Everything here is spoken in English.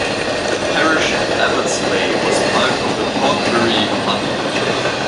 The parish of Abbots Leigh was part of the Portbury Hundred.